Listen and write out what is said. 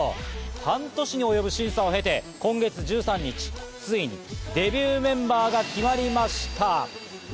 半年に及ぶ審査を経て今月１３日、ついにデビューメンバーが決まりました。